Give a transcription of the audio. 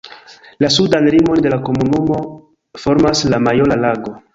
La sudan limon de la komunumo formas la Majora Lago.